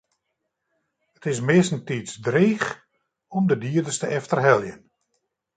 It is meastentiids dreech om de dieders te efterheljen.